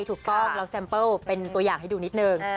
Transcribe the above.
ถูกต้องเราแซมเปิ้ลเป็นตัวอย่างให้ดูนิดนึง